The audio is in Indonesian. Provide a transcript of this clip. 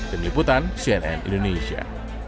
deniputan cnn indonesia